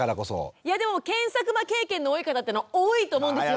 いやでも検索魔経験の多い方って多いと思うんですよ。